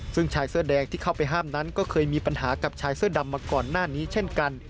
ซึ่งชายเสื้อแดงที่เข้าไปห้ามนั้นก็เคยมีปัญหากับชายเสื้อดำมาก่อนหน้านี้เช่นกัน